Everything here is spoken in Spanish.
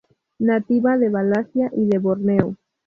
Nativa de Malasia y de Borneo.